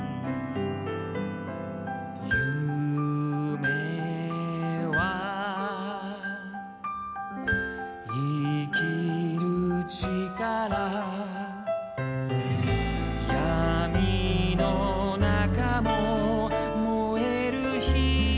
「夢は生きるちから」「やみのなかももえる灯よ」